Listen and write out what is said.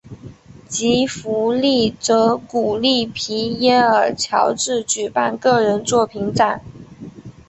吉福利则鼓励皮耶尔乔治举办个人作品展。